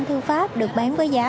thư pháp được bán với giá